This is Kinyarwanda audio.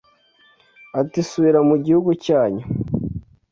ati subira mu gihugu cyanyu